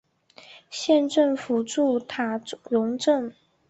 县政府驻塔荣镇。